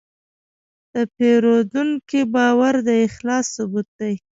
د پیرودونکي باور د اخلاص ثبوت دی.